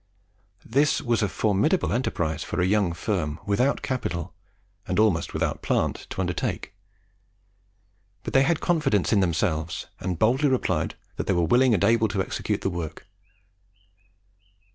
This was a formidable enterprise for a young firm without capital and almost without plant to undertake; but they had confidence in themselves, and boldly replied that they were willing and able to execute the work.